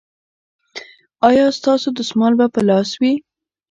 ایا ستاسو دستمال به په لاس وي؟